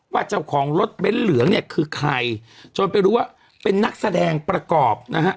เจ้าของรถเบ้นเหลืองเนี่ยคือใครจนไปรู้ว่าเป็นนักแสดงประกอบนะฮะ